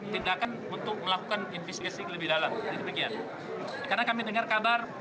tindakan untuk melakukan investigasi lebih dalam karena kami dengar kabar